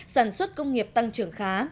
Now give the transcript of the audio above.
sản xuất công nghiệp tăng trưởng khá